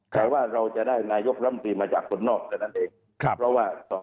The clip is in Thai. แต่ว่าเราจะได้นายกรัมตรีมาจากคนนอกแค่นั้นเอง